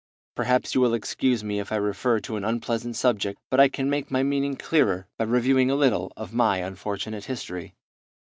Perhaps you will excuse me if I refer to an unpleasant subject, but I can make my meaning clearer by reviewing a little of my unfortunate history."